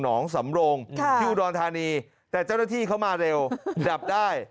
หนองสำรงฮิวดรทานีแต่เจ้าหน้าที่เขามาเร็วดับได้